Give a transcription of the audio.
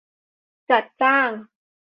จัดจ้าง